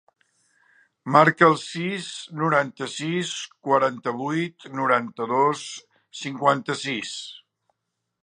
Marca el sis, noranta-sis, quaranta-vuit, noranta-dos, cinquanta-sis.